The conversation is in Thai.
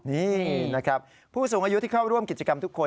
นี่นะครับผู้สูงอายุที่เข้าร่วมกิจกรรมทุกคน